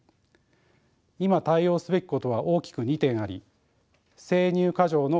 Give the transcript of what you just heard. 今対応すべきことは大きく２点あり生乳過剰の解消と酪農所得の回復です。